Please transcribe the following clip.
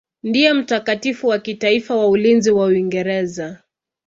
Ndiye mtakatifu wa kitaifa wa ulinzi wa Uingereza.